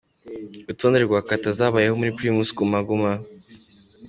Urutonde rwa Kata zabayeho muri Primus Guma Guma:.